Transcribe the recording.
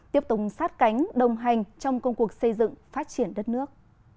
tiếp tục sát cánh đồng hành trong công cuộc xây dựng phát triển đất nước